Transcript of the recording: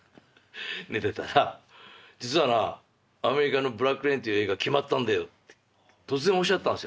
寝てたら実はなアメリカの「ブラック・レイン」という映画決まったんだよって突然おっしゃったんですよ。